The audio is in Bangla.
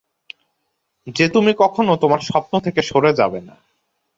যে তুমি কখনো তোমার স্বপ্ন থেকে সরে যাবে না।